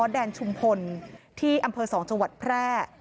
แดนชุมพลที่อำเภอ๒จแพร่